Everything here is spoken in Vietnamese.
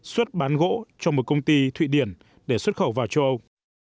xuất bán gỗ cho một công ty thụy điển để xuất khẩu vào châu âu